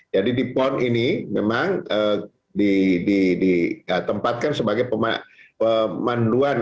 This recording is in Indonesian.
di pon ini memang ditempatkan sebagai pemanduan